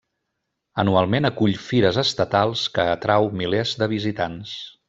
Anualment acull fires estatals, que atrau milers de visitants.